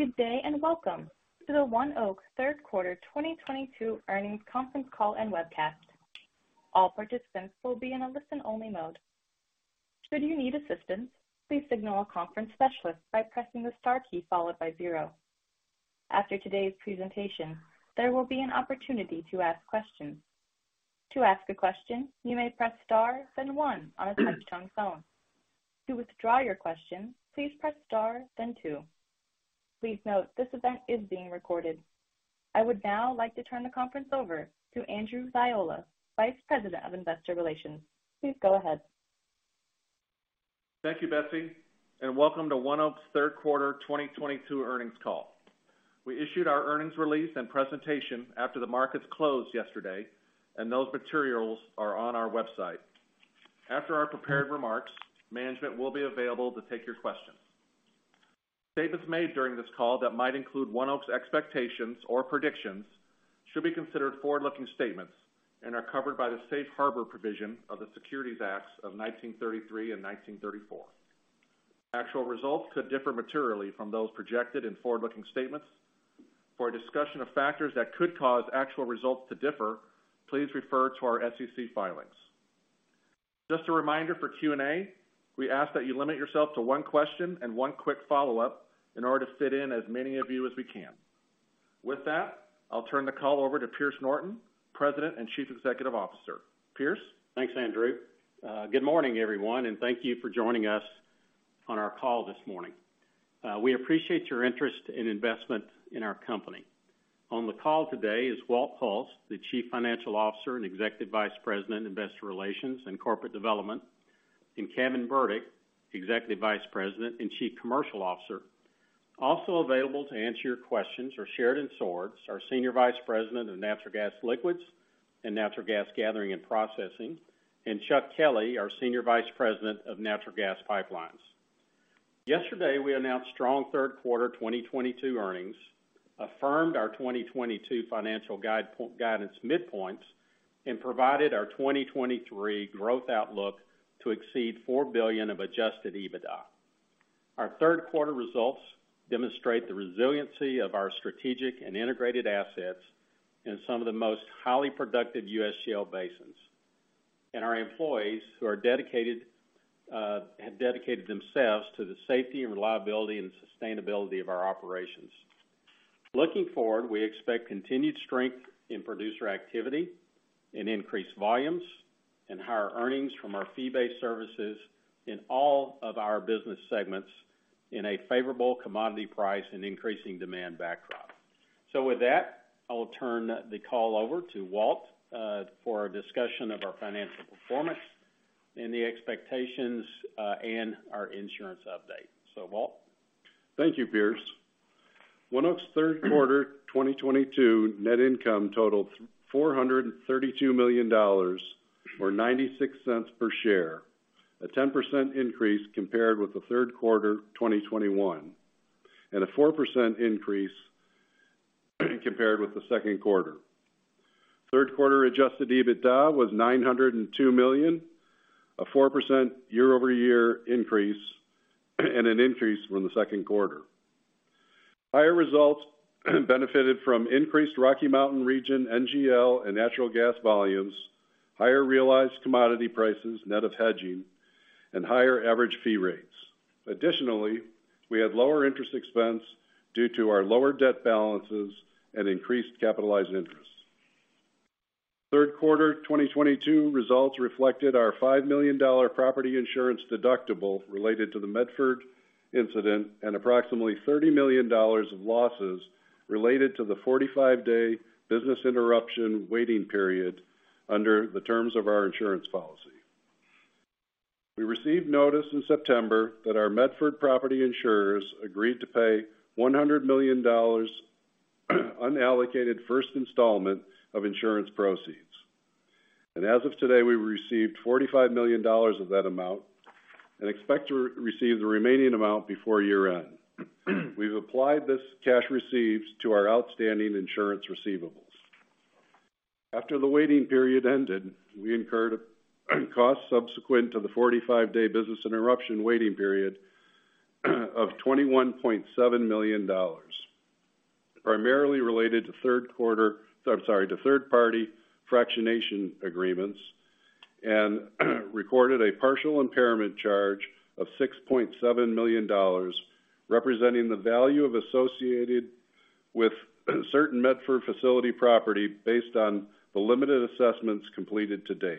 Good day, and welcome to the ONEOK third quarter 2022 earnings conference call and webcast. All participants will be in a listen-only mode. Should you need assistance, please signal a conference specialist by pressing the star key followed by zero. After today's presentation, there will be an opportunity to ask questions. To ask a question, you may press star then one on a touch-tone phone. To withdraw your question, please press star then two. Please note, this event is being recorded. I would now like to turn the conference over to Andrew Ziola, Vice President of Investor Relations. Please go ahead. Thank you, Betsy, and welcome to ONEOK's third quarter 2022 earnings call. We issued our earnings release and presentation after the markets closed yesterday, and those materials are on our website. After our prepared remarks, management will be available to take your questions. Statements made during this call that might include ONEOK's expectations or predictions should be considered forward-looking statements and are covered by the Safe Harbor provision of the Securities Acts of 1933 and 1934. Actual results could differ materially from those projected in forward-looking statements. For a discussion of factors that could cause actual results to differ, please refer to our SEC filings. Just a reminder for Q&A, we ask that you limit yourself to one question and one quick follow-up in order to fit in as many of you as we can. With that, I'll turn the call over to Pierce Norton, President and Chief Executive Officer. Pierce? Thanks, Andrew. Good morning, everyone, and thank you for joining us on our call this morning. We appreciate your interest and investment in our company. On the call today is Walt Hulse, the Chief Financial Officer and Executive Vice President, Investor Relations and Corporate Development, and Kevin Burdick, Executive Vice President and Chief Commercial Officer. Also available to answer your questions are Sheridan Swords, our Senior Vice President of Natural Gas Liquids and Natural Gas Gathering and Processing, and Chuck Kelly, our Senior Vice President of Natural Gas Pipelines. Yesterday, we announced strong third quarter 2022 earnings, affirmed our 2022 financial guidance midpoints, and provided our 2023 growth outlook to exceed $4 billion of adjusted EBITDA. Our third quarter results demonstrate the resiliency of our strategic and integrated assets in some of the most highly productive U.S. shale basins, and our employees who have dedicated themselves to the safety and reliability and sustainability of our operations. Looking forward, we expect continued strength in producer activity, in increased volumes, and higher earnings from our fee-based services in all of our business segments in a favorable commodity price and increasing demand backdrop. With that, I will turn the call over to Walt for a discussion of our financial performance and the expectations and our insurance update. Walt? Thank you, Pierce. ONEOK's third quarter 2022 net income totaled $432 million or $0.96 per share, a 10% increase compared with the third quarter 2021, and a 4% increase compared with the second quarter. Third quarter adjusted EBITDA was $902 million, a 4% year-over-year increase, and an increase from the second quarter. Higher results benefited from increased Rocky Mountain region NGL and natural gas volumes, higher realized commodity prices net of hedging, and higher average fee rates. Additionally, we had lower interest expense due to our lower debt balances and increased capitalized interest. Third quarter 2022 results reflected our $5 million property insurance deductible related to the Medford incident, and approximately $30 million of losses related to the 45-day business interruption waiting period under the terms of our insurance policy. We received notice in September that our Medford property insurers agreed to pay $100 million unallocated first installment of insurance proceeds. As of today, we received $45 million of that amount, and expect to receive the remaining amount before year-end. We've applied this cash receipts to our outstanding insurance receivables. After the waiting period ended, we incurred costs subsequent to the 45-day business interruption waiting period of $21.7 million, primarily related to third-party fractionation agreements, and recorded a partial impairment charge of $6.7 million, representing the value associated with certain Medford facility property based on the limited assessments completed to date.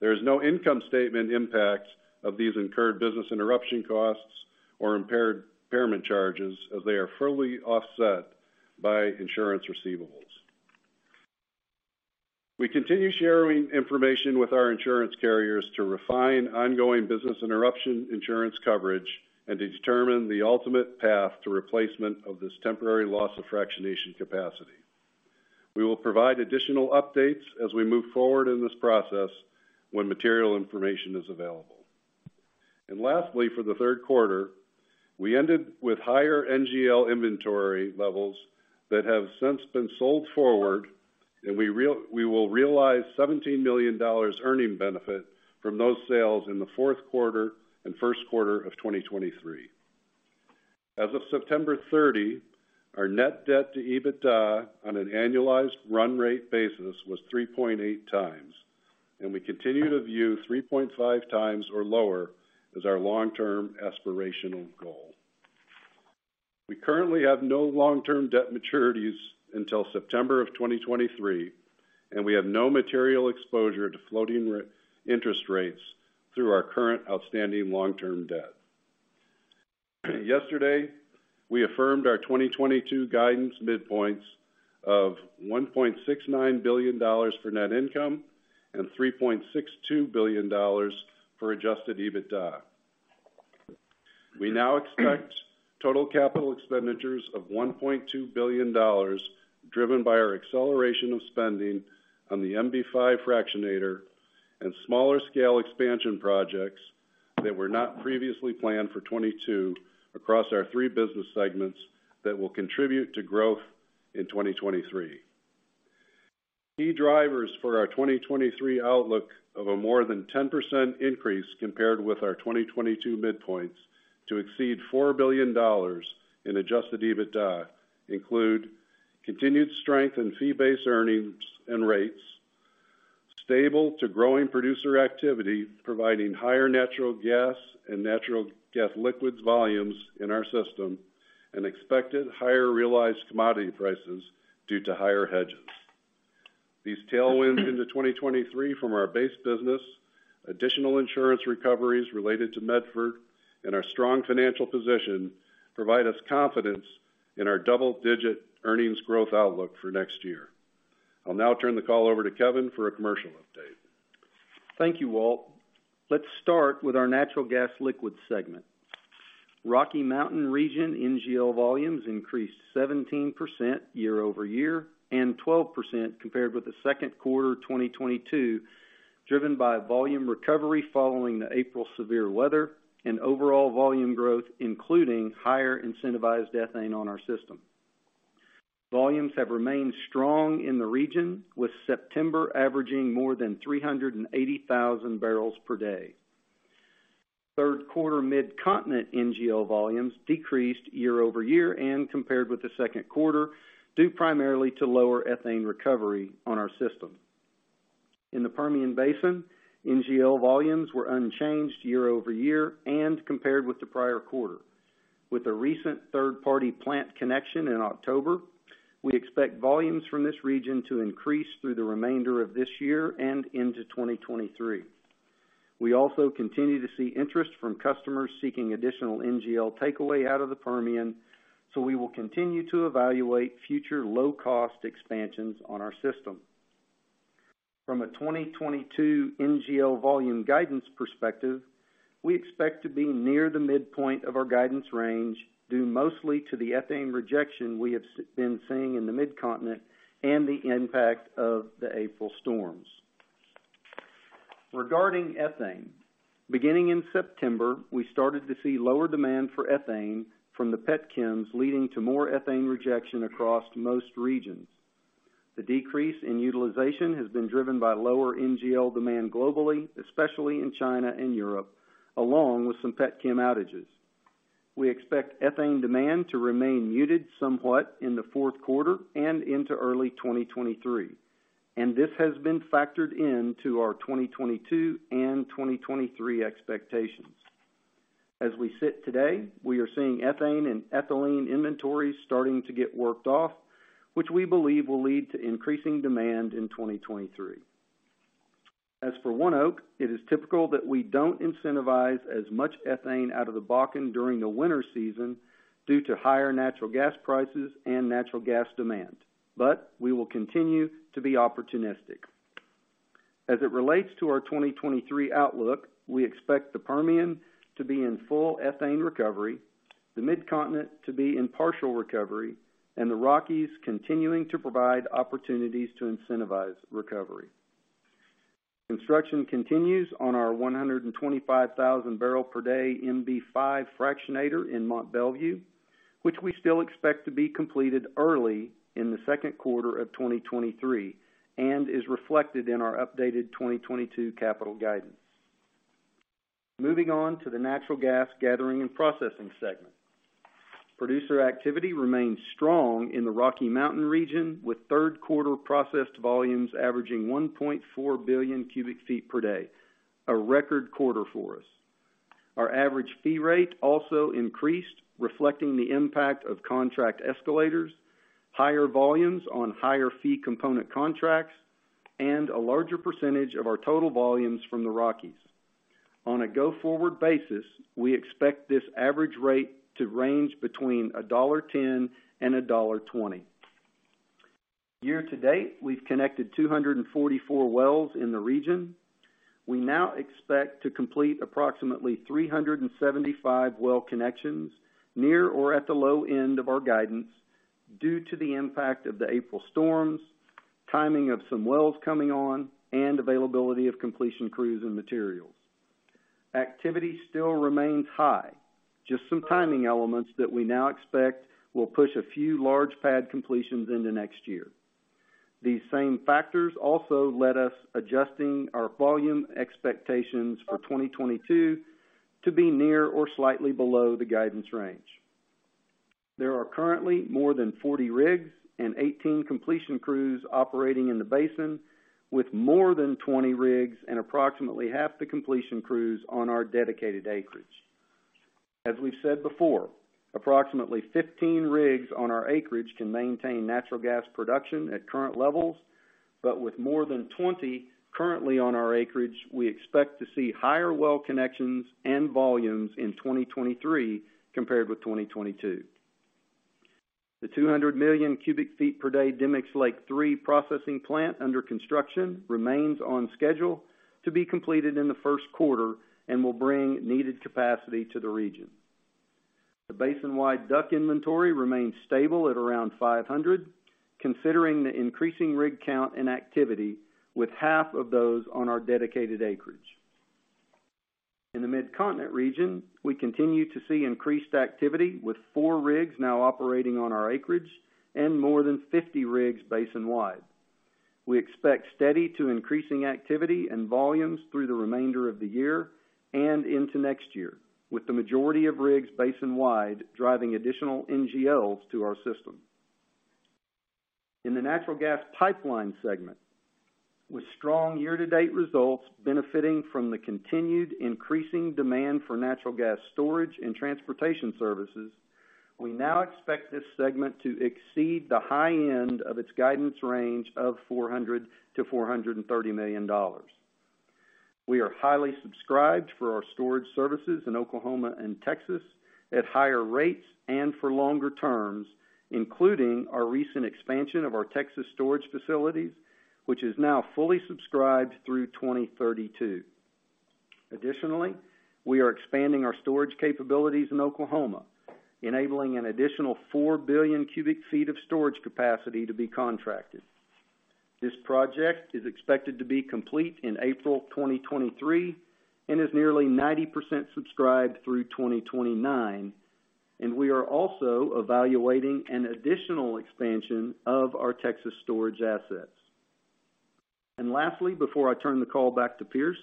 There is no income statement impact of these incurred business interruption costs or impairment charges as they are fully offset by insurance receivables. We continue sharing information with our insurance carriers to refine ongoing business interruption insurance coverage and to determine the ultimate path to replacement of this temporary loss of fractionation capacity. We will provide additional updates as we move forward in this process when material information is available. Lastly, for the third quarter, we ended with higher NGL inventory levels that have since been sold forward, and we will realize $17 million earnings benefit from those sales in the fourth quarter and first quarter of 2023. As of September 30, our net debt-to-EBITDA on an annualized run rate basis was 3.8x, and we continue to view 3.5x or lower as our long-term aspirational goal. We currently have no long-term debt maturities until September of 2023, and we have no material exposure to floating interest rates through our current outstanding long-term debt. Yesterday, we affirmed our 2022 guidance midpoints of $1.69 billion for net income and $3.62 billion for adjusted EBITDA. We now expect total capital expenditures of $1.2 billion, driven by our acceleration of spending on the MB-5 fractionator and smaller scale expansion projects that were not previously planned for 2022 across our three business segments that will contribute to growth in 2023. Key drivers for our 2023 outlook of a more than 10% increase compared with our 2022 midpoints to exceed $4 billion in adjusted EBITDA include continued strength in fee-based earnings and rates, stable to growing producer activity, providing higher natural gas and natural gas liquids volumes in our system, and expected higher realized commodity prices due to higher hedges. These tailwinds into 2023 from our base business, additional insurance recoveries related to Medford, and our strong financial position provide us confidence in our double-digit earnings growth outlook for next year. I'll now turn the call over to Kevin for a commercial update. Thank you, Walt. Let's start with our natural gas liquids segment. Rocky Mountain region NGL volumes increased 17% year-over-year and 12% compared with the second quarter of 2022, driven by volume recovery following the April severe weather and overall volume growth, including higher incentivized ethane on our system. Volumes have remained strong in the region, with September averaging more than 380,000 barrels per day. Third quarter Mid-Continent NGL volumes decreased year-over-year and compared with the second quarter, due primarily to lower ethane recovery on our system. In the Permian Basin, NGL volumes were unchanged year-over-year and compared with the prior quarter. With a recent third-party plant connection in October, we expect volumes from this region to increase through the remainder of this year and into 2023. We also continue to see interest from customers seeking additional NGL takeaway out of the Permian, so we will continue to evaluate future low-cost expansions on our system. From a 2022 NGL volume guidance perspective, we expect to be near the midpoint of our guidance range, due mostly to the ethane rejection we have been seeing in the Mid-Continent and the impact of the April storms. Regarding ethane, beginning in September, we started to see lower demand for ethane from the petchems, leading to more ethane rejection across most regions. The decrease in utilization has been driven by lower NGL demand globally, especially in China and Europe, along with some petchem outages. We expect ethane demand to remain muted somewhat in the fourth quarter and into early 2023, and this has been factored into our 2022 and 2023 expectations. As we sit today, we are seeing ethane and ethylene inventories starting to get worked off, which we believe will lead to increasing demand in 2023. As for ONEOK, it is typical that we don't incentivize as much ethane out of the Bakken during the winter season due to higher natural gas prices and natural gas demand. We will continue to be opportunistic. As it relates to our 2023 outlook, we expect the Permian to be in full ethane recovery, the Midcontinent to be in partial recovery, and the Rockies continuing to provide opportunities to incentivize recovery. Construction continues on our 125,000 barrel per day MB-5 fractionator in Mont Belvieu, which we still expect to be completed early in the second quarter of 2023 and is reflected in our updated 2022 capital guidance. Moving on to the natural gas gathering and processing segment. Producer activity remains strong in the Rocky Mountain region, with third quarter processed volumes averaging 1.4 billion cu ft per day, a record quarter for us. Our average fee rate also increased, reflecting the impact of contract escalators, higher volumes on higher fee component contracts, and a larger percentage of our total volumes from the Rockies. On a go-forward basis, we expect this average rate to range between $1.10 and $1.20. Year to date, we've connected 244 wells in the region. We now expect to complete approximately 375 well connections near or at the low end of our guidance due to the impact of the April storms, timing of some wells coming on, and availability of completion crews and materials. Activity still remains high, just some timing elements that we now expect will push a few large pad completions into next year. These same factors also led us adjusting our volume expectations for 2022 to be near or slightly below the guidance range. There are currently more than 40 rigs and 18 completion crews operating in the basin, with more than 20 rigs and approximately 1/2 the completion crews on our dedicated acreage. As we've said before, approximately 15 rigs on our acreage can maintain natural gas production at current levels, but with more than 20 currently on our acreage, we expect to see higher well connections and volumes in 2023 compared with 2022. The 200 million cu ft per day Demicks Lake III processing plant under construction remains on schedule to be completed in the first quarter, and will bring needed capacity to the region. The basin-wide DUC inventory remains stable at around 500, considering the increasing rig count and activity, with 1/2 of those on our dedicated acreage. In the Mid-Continent region, we continue to see increased activity with four rigs now operating on our acreage and more than 50 rigs basin-wide. We expect steady to increasing activity and volumes through the remainder of the year and into next year, with the majority of rigs basin-wide driving additional NGLs to our system. In the natural gas pipeline segment, with strong year-to-date results benefiting from the continued increasing demand for natural gas storage and transportation services, we now expect this segment to exceed the high end of its guidance range of $400 million-$430 million. We are highly subscribed for our storage services in Oklahoma and Texas at higher rates and for longer terms, including our recent expansion of our Texas storage facilities, which is now fully subscribed through 2032. Additionally, we are expanding our storage capabilities in Oklahoma, enabling an additional 4 billion cu ft of storage capacity to be contracted. This project is expected to be complete in April 2023 and is nearly 90% subscribed through 2029, and we are also evaluating an additional expansion of our Texas storage assets. Lastly, before I turn the call back to Pierce,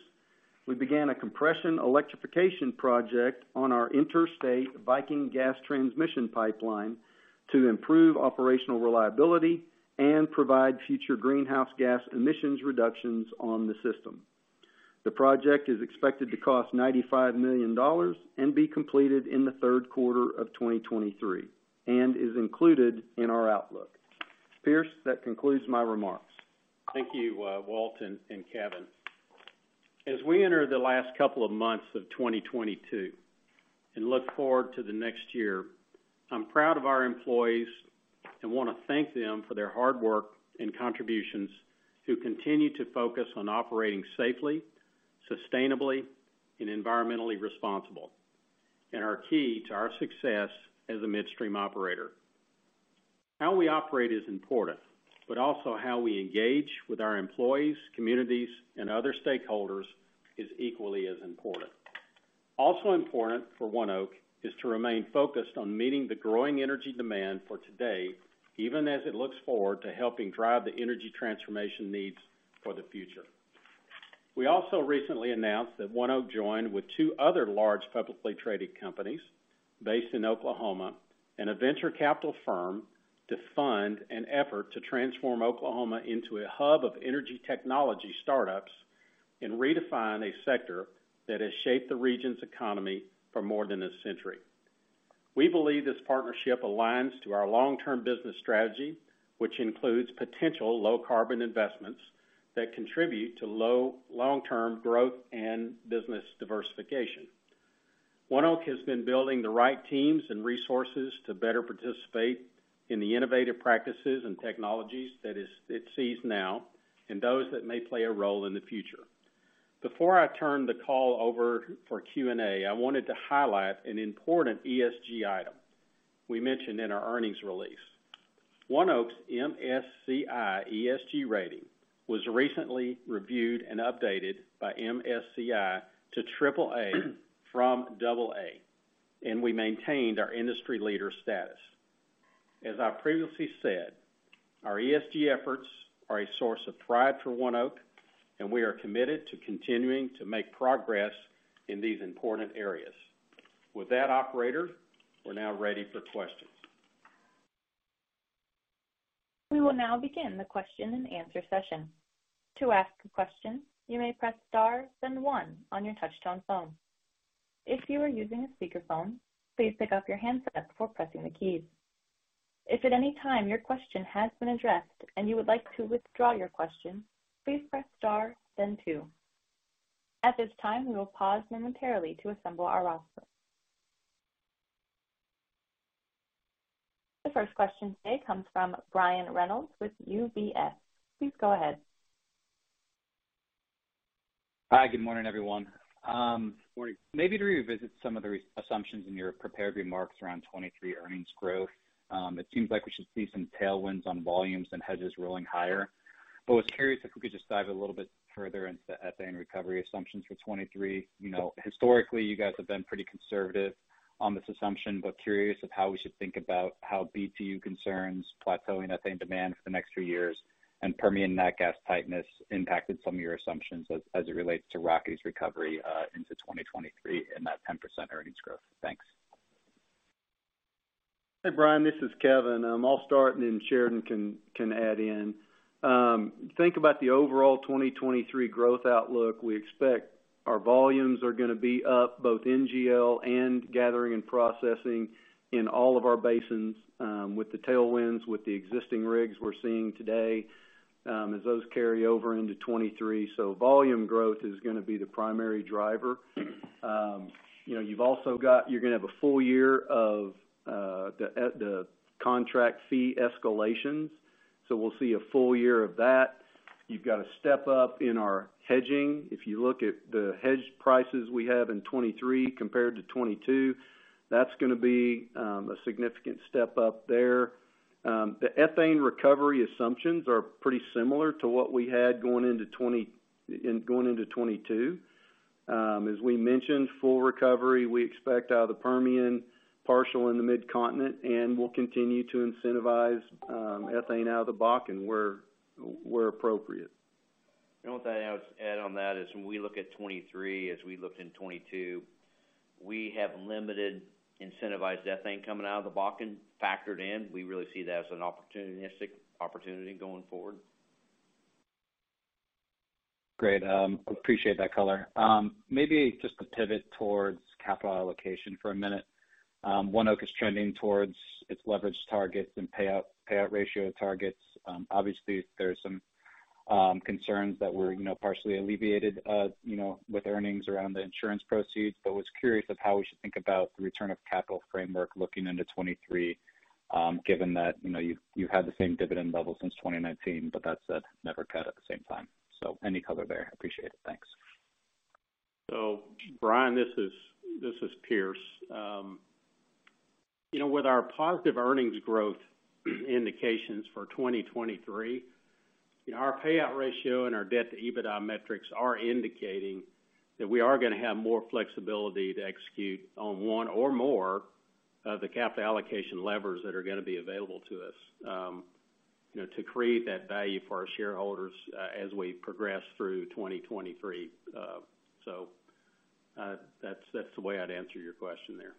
we began a compression electrification project on our interstate Viking Gas Transmission pipeline to improve operational reliability and provide future greenhouse gas emissions reductions on the system. The project is expected to cost $95 million and be completed in the third quarter of 2023, and is included in our outlook. Pierce, that concludes my remarks. Thank you, Walt and Kevin. As we enter the last couple of months of 2022 and look forward to the next year, I'm proud of our employees, and wanna thank them for their hard work and contributions to continue to focus on operating safely, sustainably and environmentally responsible, and are key to our success as a midstream operator. How we operate is important, but also how we engage with our employees, communities and other stakeholders is equally as important. Also important for ONEOK is to remain focused on meeting the growing energy demand for today, even as it looks forward to helping drive the energy transformation needs for the future. We also recently announced that ONEOK joined with two other large publicly-traded companies based in Oklahoma and a venture capital firm to fund an effort to transform Oklahoma into a hub of energy technology startups and redefine a sector that has shaped the region's economy for more than a century. We believe this partnership aligns to our long-term business strategy, which includes potential low carbon investments that contribute to long-term growth and business diversification. ONEOK has been building the right teams and resources to better participate in the innovative practices and technologies that it sees now and those that may play a role in the future. Before I turn the call over for Q&A, I wanted to highlight an important ESG item we mentioned in our earnings release. ONEOK's MSCI ESG rating was recently reviewed and updated by MSCI to AAA from AA, and we maintained our industry leader status. As I previously said, our ESG efforts are a source of pride for ONEOK, and we are committed to continuing to make progress in these important areas. With that, operator, we're now ready for questions. We will now begin the question-and-answer session. To ask a question, you may press star then one on your touch-tone phone. If you are using a speakerphone, please pick up your handset before pressing the keys. If at any time your question has been addressed and you would like to withdraw your question, please press star then two. At this time, we will pause momentarily to assemble our roster. The first question today comes from Brian Reynolds with UBS. Please go ahead. Hi, good morning, everyone. Morning. Maybe to revisit some of the re-assumptions in your prepared remarks around 2023 earnings growth. It seems like we should see some tailwinds on volumes and hedges rolling higher. I was curious if we could just dive a little bit further into the ethane recovery assumptions for 2023. You know, historically, you guys have been pretty conservative on this assumption, but curious of how we should think about how BTU concerns plateauing ethane demand for the next three years and Permian nat gas tightness impacted some of your assumptions as it relates to Rockies recovery into 2023 and that 10% earnings growth. Thanks. Hey, Brian, this is Kevin. I'll start and then Sheridan can add in. Think about the overall 2023 growth outlook. We expect our volumes are gonna be up, both NGL and gathering and processing in all of our basins, with the tailwinds, with the existing rigs we're seeing today, as those carry over into 2023. Volume growth is gonna be the primary driver. You know, you've also got--you're gonna have a full year of the contract fee escalations. We'll see a full year of that. You've got a step up in our hedging. If you look at the hedged prices we have in 2023 compared to 2022, that's gonna be a significant step up there. The ethane recovery assumptions are pretty similar to what we had going into 2022. As we mentioned, full recovery we expect out of the Permian, partial in the Mid-Continent, and we'll continue to incentivize ethane out of the Bakken, where appropriate. What I'd add on that is when we look at 2023, as we looked in 2022, we have limited incentivized ethane coming out of the Bakken factored in. We really see that as an opportunistic opportunity going forward. Great. Appreciate that color. Maybe just to pivot towards capital allocation for a minute. ONEOK is trending towards its leverage targets and payout ratio targets. Obviously, there are some concerns that were, you know, partially alleviated, you know, with earnings around the insurance proceeds. Was curious of how we should think about the return of capital framework looking into 2023, given that, you know, you've had the same dividend level since 2019, but that said, net rec at the same time. Any color there, appreciate it. Thanks. Brian, this is Pierce. You know, with our positive earnings growth indications for 2023, you know, our payout ratio and our debt-to-EBITDA metrics are indicating that we are gonna have more flexibility to execute on one or more of the capital allocation levers that are gonna be available to us, you know, to create that value for our shareholders, as we progress through 2023. That's the way I'd answer your question there.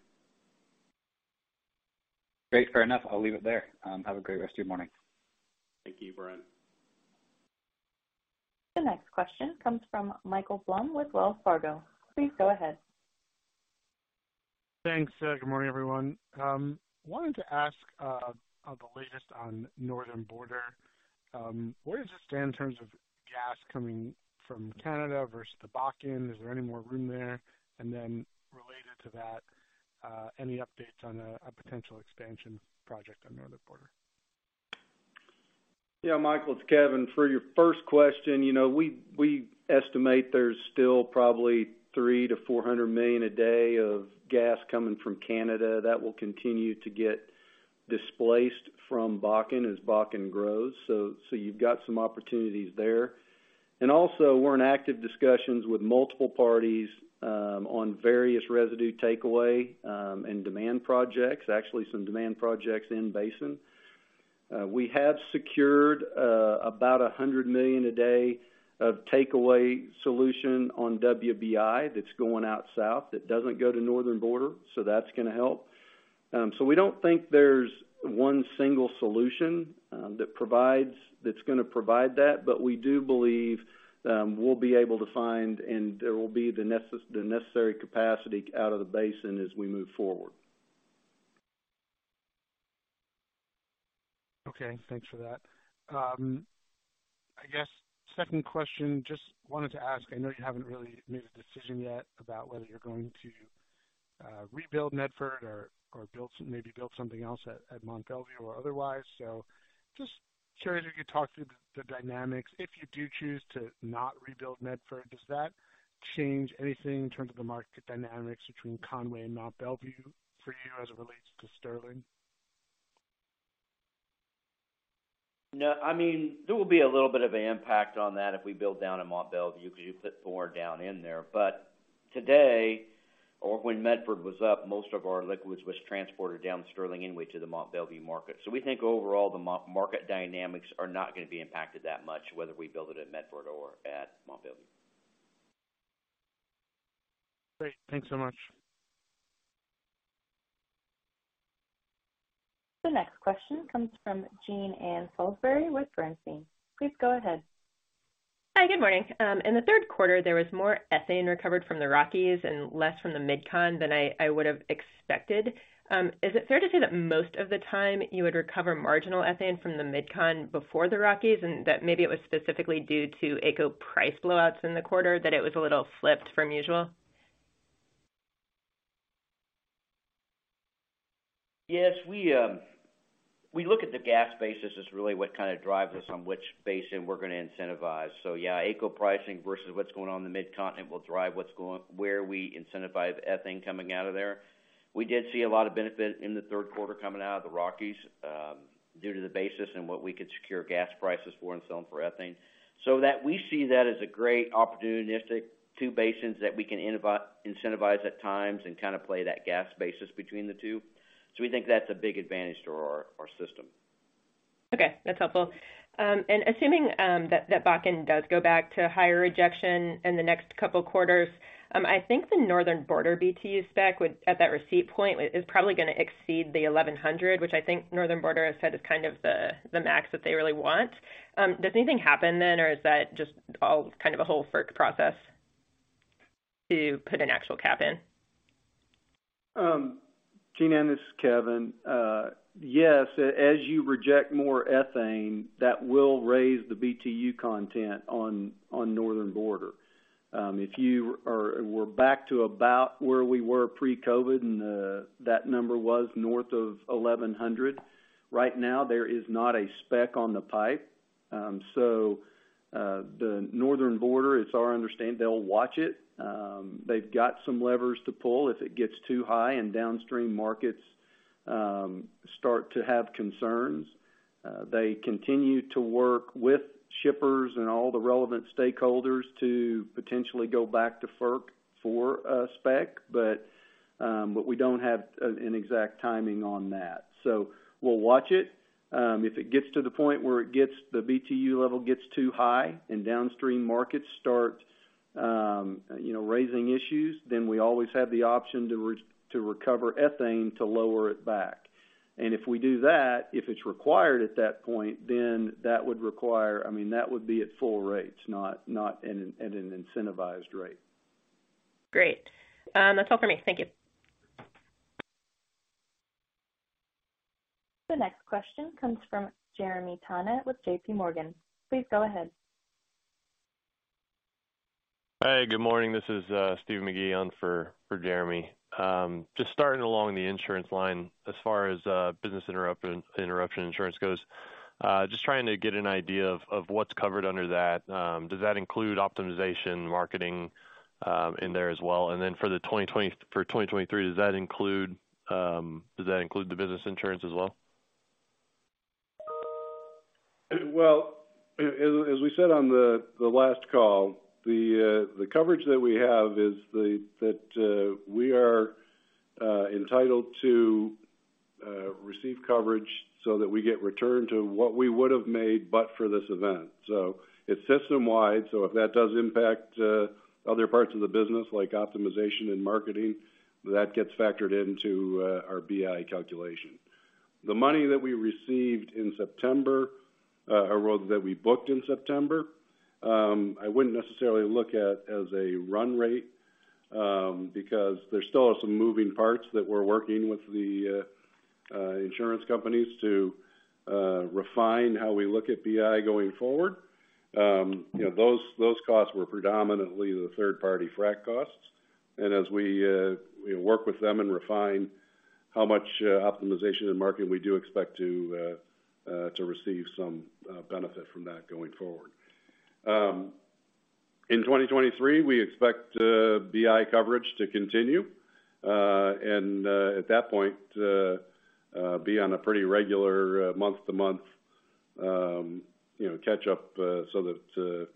Great. Fair enough. I'll leave it there. Have a great rest of your morning. Thank you, Brian. The next question comes from Michael Blum with Wells Fargo. Please go ahead. Thanks. Good morning, everyone. Wanted to ask the latest on Northern Border. Where does it stand in terms of gas coming from Canada versus the Bakken? Is there any more room there? Related to that, any updates on a potential expansion project on Northern Border? Yeah, Michael, it's Kevin. For your first question, you know, we estimate there's still probably 300-400 million a day of gas coming from Canada. That will continue to get displaced from Bakken as Bakken grows. You've got some opportunities there. We're in active discussions with multiple parties on various residue takeaway and demand projects, actually some demand projects in basin. We have secured about 100 million a day of takeaway solution on WBI that's going out south. It doesn't go to Northern Border, so that's gonna help. We don't think there's one single solution that's gonna provide that. We do believe that we'll be able to find and there will be the necessary capacity out of the basin as we move forward. Okay. Thanks for that. I guess second question, just wanted to ask, I know you haven't really made a decision yet about whether you're going to rebuild Medford or build maybe something else at Mont Belvieu or otherwise. Just, curious if you could talk through the dynamics. If you do choose to not rebuild Medford, does that change anything in terms of the market dynamics between Conway and Mont Belvieu for you as it relates to Sterling? No. I mean, there will be a little bit of impact on that if we build down at Mont Belvieu because you put more down in there. Today, or when Medford was up, most of our liquids was transported down Sterling anyway to the Mont Belvieu market. We think overall the market dynamics are not gonna be impacted that much, whether we build it at Medford or at Mont Belvieu. Great. Thanks so much. The next question comes from Jean Ann Salisbury with Bernstein. Please go ahead. Hi, good morning. In the third quarter, there was more ethane recovered from the Rockies and less from the Mid-Con than I would've expected. Is it fair to say that, most of the time, you would recover marginal ethane from the Mid-Con before the Rockies, and that maybe it was specifically due to AECO price blowouts in the quarter, that it was a little flipped from usual? Yes, we look at the gas basis as really what kind of drives us on which basin we're gonna incentivize. Yeah, AECO pricing versus what's going on in the Mid-Continent will drive where we incentivize ethane coming out of there. We did see a lot of benefit in the third quarter coming out of the Rockies due to the basis and what we could secure gas prices for and sell them for ethane. We see that as a great opportunistic two basins that we can incentivize at times and kind of play that gas basis between the two. We think that's a big advantage to our system. Okay, that's helpful. Assuming that Bakken does go back to higher rejection in the next couple quarters, I think the Northern Border BTU spec would, at that receipt point, is probably gonna exceed the 1,100 BTU, which I think Northern Border has said is kind of the max that they really want. Does anything happen then, or is that just all kind of a whole FERC process to put an actual cap in? Jean Ann, this is Kevin. Yes, as you reject more ethane, that will raise the BTU content on Northern Border. If we're back to about where we were pre-COVID, that number was north of 1,100 BTU. Right now, there is not a spec on the pipe. The Northern Border, it's our understanding, they'll watch it. They've got some levers to pull if it gets too high and downstream markets start to have concerns. They continue to work with shippers and all the relevant stakeholders to potentially go back to FERC for a spec. We don't have an exact timing on that. We'll watch it. If it gets to the point where the BTU level gets too high and downstream markets start raising issues, then we always have the option to recover ethane to lower it back. If we do that, if it's required at that point, then that would be at full rates, I mean, not at an incentivized rate. Great. That's all for me. Thank you. The next question comes from Jeremy Tonet with JPMorgan. Please go ahead. Hi, good morning. This is Steve McGee, on for Jeremy. Just starting along the insurance line as far as business interruption insurance goes. Just trying to get an idea of what's covered under that. Does that include optimization, marketing in there as well? For 2023, does that include the business insurance as well? Well, as we said on the last call, the coverage that we have is that we are entitled to receive coverage so that we get returned to what we would have made, but for this event. It's system wide, so if that does impact other parts of the business, like optimization and marketing, that gets factored into our BI calculation. The money that we received in September, or that we booked in September, I wouldn't necessarily look at as a run rate, because there still are some moving parts that we're working with the insurance companies to refine how we look at BI going forward. You know, those costs were predominantly the third-party frack costs. As we work with them and refine how much optimization and marketing, we do expect to receive some benefit from that going forward. In 2023, we expect BI coverage to continue and at that point be on a pretty regular month to month you know catch up so that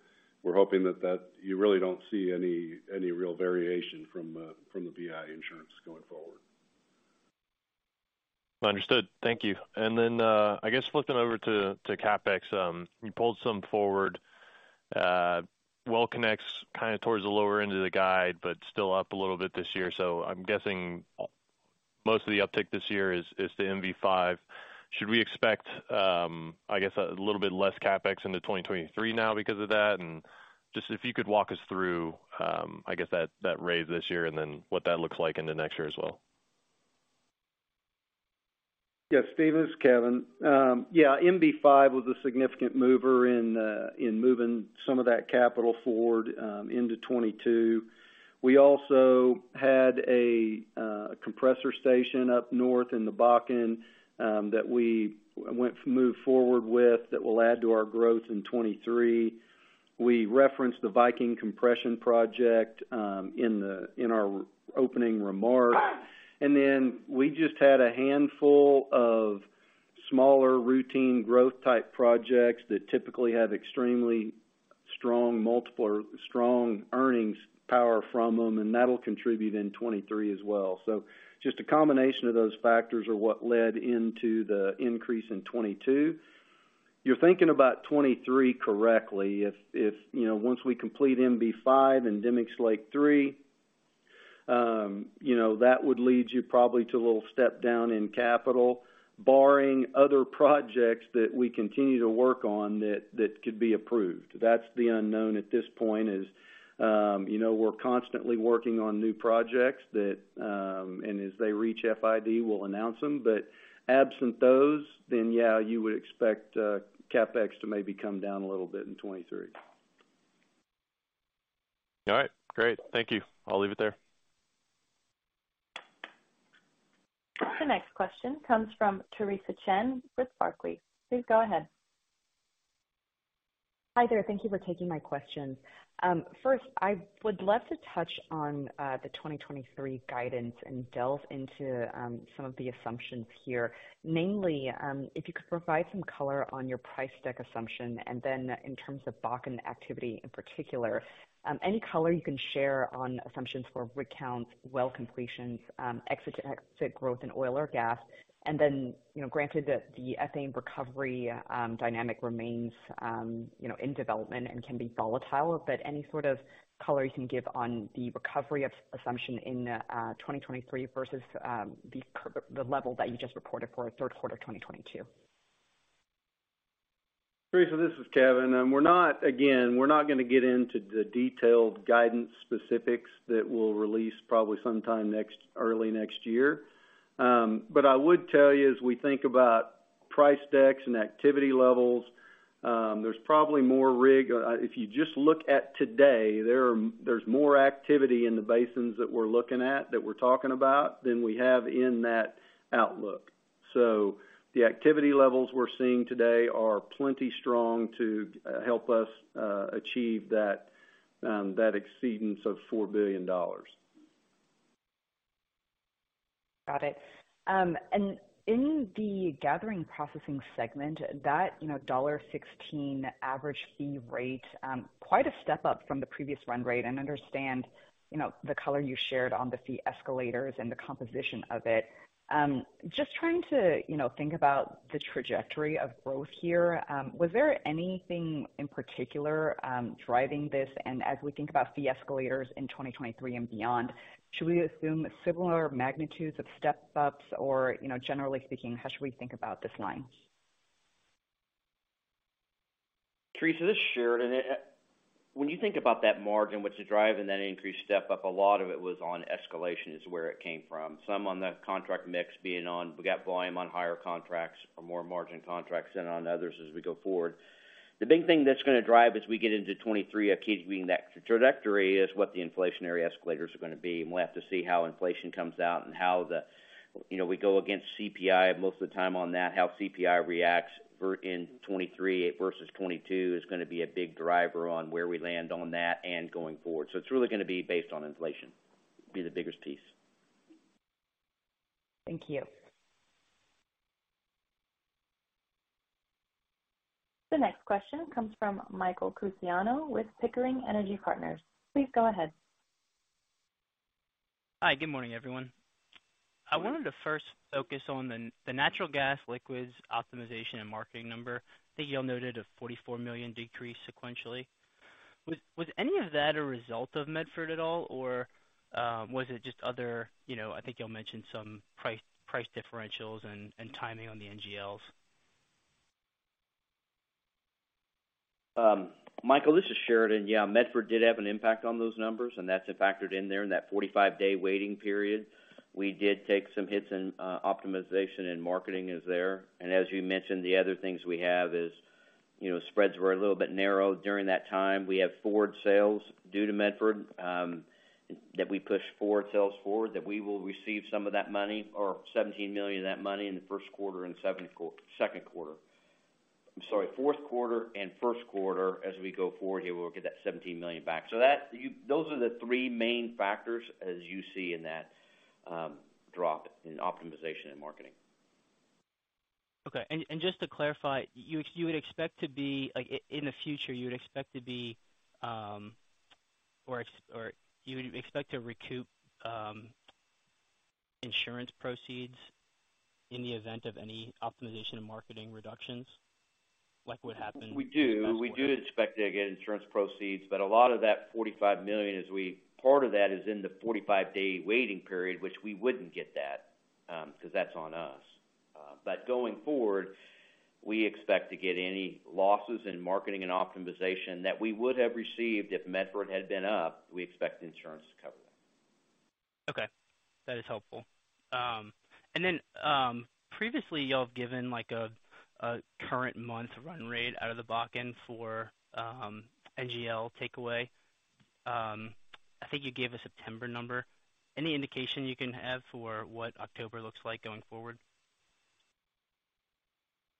we're hoping that you really don't see any real variation from the BI insurance going forward. Understood. Thank you. I guess flipping over to CapEx, you pulled some forward. Well connects kind of towards the lower end of the guide, but still up a little bit this year. I'm guessing most of the uptick this year is the MB-5. Should we expect a little bit less CapEx into 2023 now because of that? Just if you could walk us through, I guess that raise this year and then what that looks like into next year as well. Yes, Steve, this is Kevin. Yeah, MB-5 was a significant mover in moving some of that capital forward into 2022. We also had a compressor station up north in the Bakken that we moved forward with that will add to our growth in 2023. We referenced the Viking compression project in our opening remarks. We just had a handful of smaller routine growth type projects that typically have extremely strong multiple or strong earnings power from them, and that'll contribute in 2023 as well. Just a combination of those factors are what led into the increase in 2022. You're thinking about 2023 correctly. If you know, once we complete MB-5 and Demicks Lake III, you know, that would lead you probably to a little step down in capital, barring other projects that we continue to work on that could be approved. That's the unknown at this point is, you know, we're constantly working on new projects that, and as they reach FID, we'll announce them. But absent those, then, yeah, you would expect CapEx to maybe come down a little bit in 2023. All right, great. Thank you. I'll leave it there. The next question comes from Theresa Chen with Barclays. Please go ahead. Hi there. Thank you for taking my question. First, I would love to touch on the 2023 guidance and delve into some of the assumptions here. Namely, if you could provide some color on your price deck assumption, and then in terms of Bakken activity in particular, any color you can share on assumptions for rig counts, well completions, exit to exit growth in oil or gas. Then, you know, granted that the ethane recovery dynamic remains, you know, in development and can be volatile, but any sort of color you can give on the recovery assumption in 2023 versus the level that you just reported for third quarter 2022. Theresa, this is Kevin. We're not gonna get into the detailed guidance specifics again that we'll release probably sometime early next year. I would tell you as we think about price decks and activity levels, there's probably more rigs. If you just look at today, there's more activity in the basins that we're looking at, that we're talking about than we have in that outlook. The activity levels we're seeing today are plenty strong to help us achieve that exceedance of $4 billion. Got it. In the gathering processing segment that, you know, $16 average fee rate, quite a step up from the previous run rate. I understand the color you shared on the fee escalators and the composition of it. Just trying to, you know, think about the trajectory of growth here. Was there anything in particular driving this? As we think about fee escalators in 2023 and beyond, should we assume similar magnitudes of step ups or, you know, generally speaking, how should we think about this line? Theresa, this is Sheridan. When you think about that margin, what's the driver in that increased step up? A lot of it was on escalation, is where it came from. Some on the contract mix being on, we got volume on higher contracts or more margin contracts than on others as we go forward. The big thing that's gonna drive as we get into 2023, achieving that trajectory is what the inflationary escalators are gonna be, and we'll have to see how inflation comes out and how the, you know, we go against CPI most of the time on that. How CPI reacts in 2023 versus 2022 is gonna be a big driver on where we land on that and going forward. It's really gonna be based on inflation, be the biggest piece. Thank you. The next question comes from Michael Cusimano with Pickering Energy Partners. Please go ahead. Hi, good morning, everyone. I wanted to first focus on the natural gas liquids optimization and marketing number. I think you all noted a $44 million decrease sequentially. Was any of that a result of Medford at all, or was it just other, you know, I think you all mentioned some price differentials and timing on the NGLs. Michael, this is Sheridan. Yeah, Medford did have an impact on those numbers, and that's factored in there in that 45-day waiting period. We did take some hits in optimization and marketing is there. As you mentioned, the other things we have is, you know, spreads were a little bit narrow during that time. We have forward sales due to Medford that we pushed forward sales forward that we will receive some of that money, or $17 million of that money in the first quarter. I'm sorry, fourth quarter and first quarter as we go forward here, we'll get that $17 million back. Those are the three main factors as you see in that drop in optimization and marketing. Okay. Just to clarify, you would expect to be like in the future or you would expect to recoup insurance proceeds in the event of any optimization and marketing reductions, like what happened. We do expect to get insurance proceeds, but a lot of that $45 million, part of that is in the 45-day waiting period, which we wouldn't get that, 'cause that's on us. Going forward, we expect to get any losses in marketing and optimization that we would have received if Medford had been up, we expect the insurance to cover that. Okay. That is helpful. Previously, you all have given like a current month run rate out of the Bakken for NGL takeaway. I think you gave a September number. Any indication you can have for what October looks like going forward?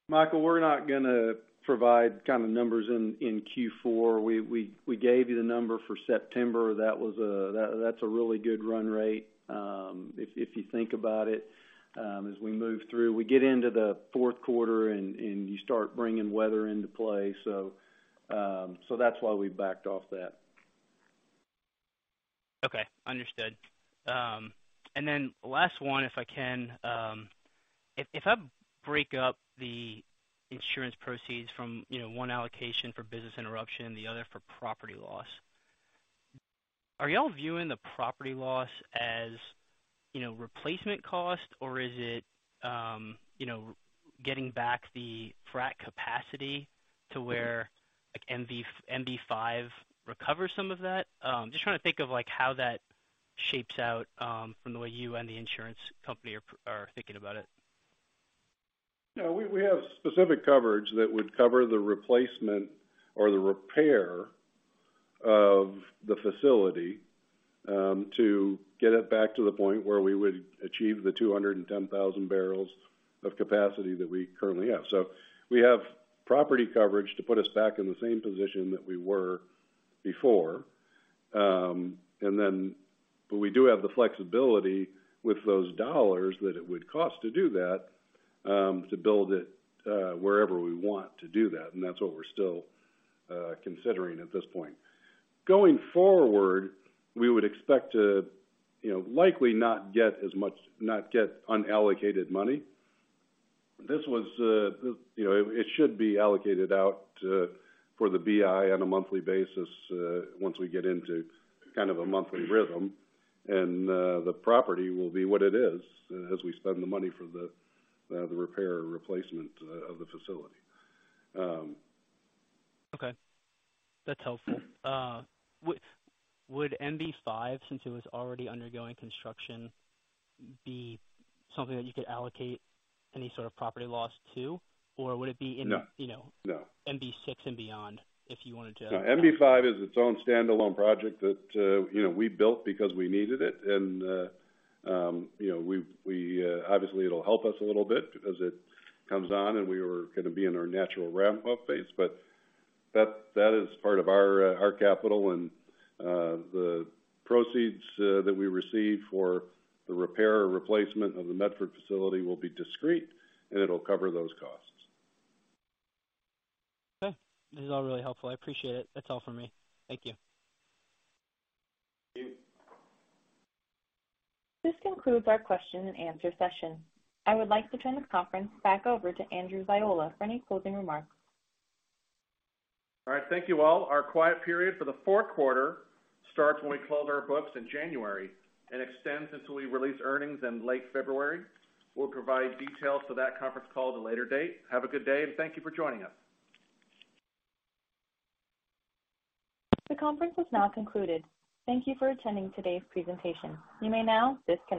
Michael, we're not gonna provide kind of numbers in Q4. We gave you the number for September. That's a really good run rate, if you think about it. As we move through, we get into the fourth quarter and you start bringing weather into play. That's why we backed off that. Okay. Understood. Last one, if I can. If I break up the insurance proceeds from, you know, one allocation for business interruption, the other for property loss, are y'all viewing the property loss as, you know, replacement cost, or is it, you know, getting back the frac capacity to where like MB-5 recovers some of that? Just trying to think of like how that shakes out, from the way you and the insurance company are thinking about it. Yeah, we have specific coverage that would cover the replacement or the repair of the facility, to get it back to the point where we would achieve the 210,000 barrels of capacity that we currently have. We have property coverage to put us back in the same position that we were before. We do have the flexibility with those dollars that it would cost to do that, to build it, wherever we want to do that, and that's what we're still considering at this point. Going forward, we would expect to, you know, likely not get unallocated money. This was, you know, it should be allocated out, for the BI on a monthly basis, once we get into kind of a monthly rhythm. The property will be what it is as we spend the money for the repair or replacement of the facility. Okay. That's helpful. Would MB-5, since it was already undergoing construction, be something that you could allocate any sort of property loss to? Or would it be in- No.... you know- No.... MB-6 and beyond, if you wanted to? No. MB-5 is its own standalone project that, you know, we built because we needed it. Obviously it'll help us a little bit because it comes on, and we were gonna be in our natural ramp-up phase. That is part of our capital and the proceeds that we receive for the repair or replacement of the Medford facility will be discrete, and it'll cover those costs. Okay. This is all really helpful. I appreciate it. That's all for me. Thank you. Thank you. This concludes our question-and-answer session. I would like to turn this conference back over to Andrew Ziola for any closing remarks. All right. Thank you, all. Our quiet period for the fourth quarter starts when we close our books in January and extends until we release earnings in late February. We'll provide details for that conference call at a later date. Have a good day, and thank you for joining us. The conference has now concluded. Thank you for attending today's presentation. You may now disconnect.